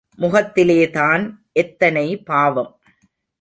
முகத்திலேதான் எத்தனை பாவம்.